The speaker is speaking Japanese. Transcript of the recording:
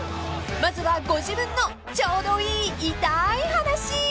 ［まずはご自分のちょうどいい痛い話］